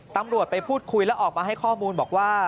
ตำรวจไปพูดคุยและออกมาให้ข้อมูลบอกว่า